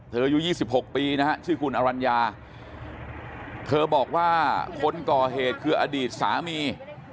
อายุ๒๖ปีนะฮะชื่อคุณอรัญญาเธอบอกว่าคนก่อเหตุคืออดีตสามี